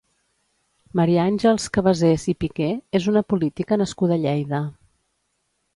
Maria Àngels Cabasés i Piqué és una política nascuda a Lleida.